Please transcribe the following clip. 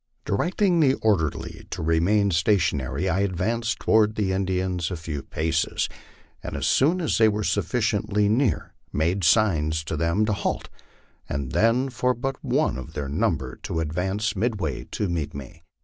Directing the orderly to remain stationary, I advanced toward the Indians a few paces, and as soon as they were sufficiently near made signs to them to halt, and then for but one of their number to advance midway and meet me.